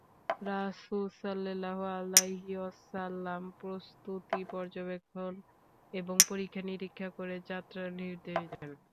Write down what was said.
রাসূল সাল্লাল্লাহু আলাইহি ওয়াসাল্লাম প্রস্তুতি পর্যবেক্ষণ এবং পরীক্ষা-নিরীক্ষা করে যাত্রার নির্দেশ দেন।